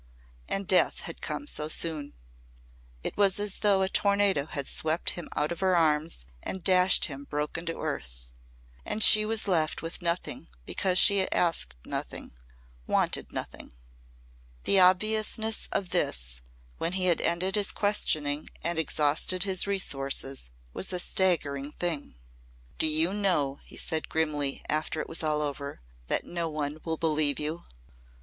And Death had come so soon. It was as though a tornado had swept him out of her arms and dashed him broken to earth. And she was left with nothing because she asked nothing wanted nothing. The obviousness of this, when he had ended his questioning and exhausted his resources, was a staggering thing. "Do you know," he said grimly, after it was all over, " that no one will believe you?"